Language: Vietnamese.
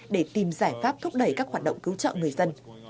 để tìm giải pháp thúc đẩy các hoạt động cứu trợ người dân